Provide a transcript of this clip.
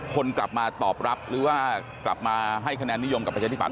คนกลับมาตอบรับหรือว่ากลับมาให้คะแนนนิยมกับประชาธิปัต